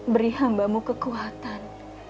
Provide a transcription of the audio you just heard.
beri hambamu kekuatan